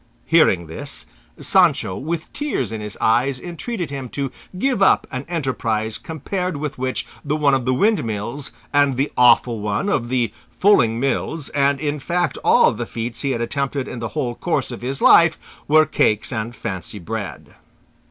Hearing this, Sancho with tears in his eyes entreated him to give up an enterprise compared with which the one of the windmills, and the awful one of the fulling mills, and, in fact, all the feats he had attempted in the whole course of his life, were cakes and fancy bread.